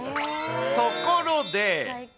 ところで！